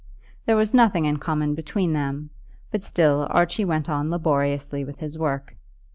There was nothing in common between them, but still Archie went on laboriously with his work.